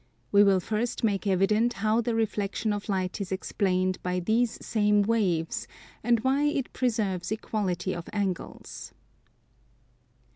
We will first make evident how the Reflexion of light is explained by these same waves, and why it preserves equality of angles.